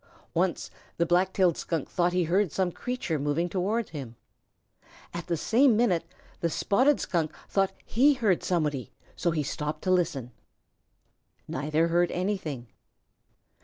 Once the Black tailed Skunk thought he heard some other creature moving toward him. At the same minute the Spotted Skunk thought he heard somebody, so he stopped to listen. Neither heard anything.